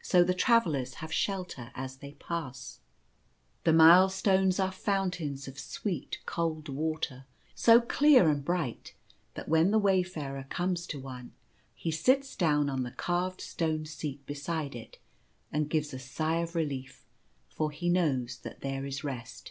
So the travellers have shelter as they pass. The Rest Time. 3 The milestones are fountains of sweet cold water, so clear and bright that when the wayfarer comes to one he sits down on the carved stone seat beside it and gives a sigh of relief, for he knows that there is rest.